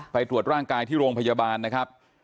ไปตรวจร่างกายที่โรงพยาบาลนะครับ